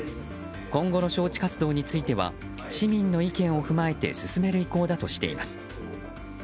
今後の招致活動については市民の意見を踏まえて進める意向だとしています。